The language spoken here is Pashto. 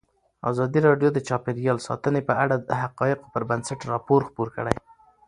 ازادي راډیو د چاپیریال ساتنه په اړه د حقایقو پر بنسټ راپور خپور کړی.